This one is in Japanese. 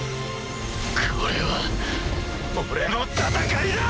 これは俺の戦いだ！